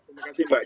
terima kasih mbak